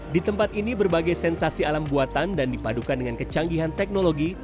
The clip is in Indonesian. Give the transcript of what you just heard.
di tempat ini berbagai sensasi alam buatan dan dipadukan dengan kecanggihan teknologi